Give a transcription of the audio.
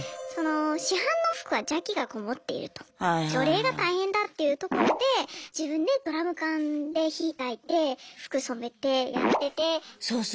市販の服は邪気がこもっていると除霊が大変だっていうところで自分でドラム缶で火たいて服染めてやってて。